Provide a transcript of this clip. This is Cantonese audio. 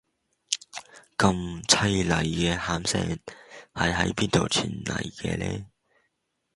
咁淒厲既喊聲係喺邊度傳黎嘅呢